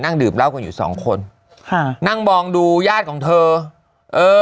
ดื่มเหล้ากันอยู่สองคนค่ะนั่งมองดูญาติของเธอเออ